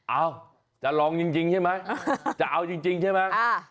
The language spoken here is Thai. เอาจะร้องจริงจริงใช่ไหมจะเอาจริงจริงใช่ไหมอ่ะ